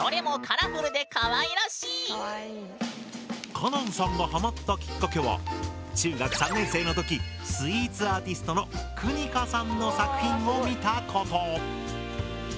かなんさんがハマったきっかけは中学３年生の時スイーツアーティストのＫＵＮＩＫＡさんの作品を見たこと。